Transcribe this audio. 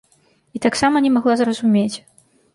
І таксама не магла зразумець.